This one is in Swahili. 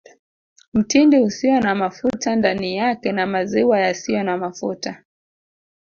Mtindi usio na mafuta ndani yake na maziwa yasiyo na mafuta